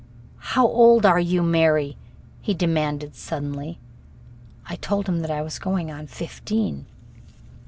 "How old are you, Mary?" he demanded suddenly. I told him that I was going on fifteen.